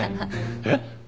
えっ？